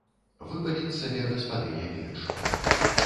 Выпаліць сабе гаспадыня печ.